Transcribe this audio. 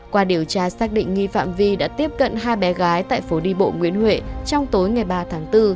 qua điều tra xác định nghi phạm vi đã tiếp cận hai bé gái tại phố đi bộ nguyễn huệ trong tối ngày ba tháng bốn